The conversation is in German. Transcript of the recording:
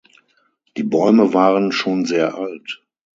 Die Bäume waren schon sehr alt.